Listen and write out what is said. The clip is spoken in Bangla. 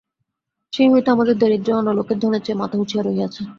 সেই হইতে আমাদের দারিদ্র্যই অন্য লোকের ধনের চেয়ে মাথা উঁচু করিয়াছে।